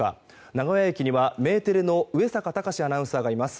名古屋駅にはメテレの上坂嵩アナウンサーがいます。